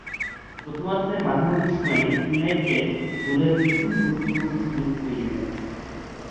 প্রথমার্ধের মাঝামাঝি সময়ে ইউনাইটেড গোলের প্রথম গুরুত্বপূর্ণ সুযোগ তৈরী করে।